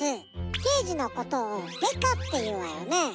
「けいじ」のことを「デカ」っていうわよね。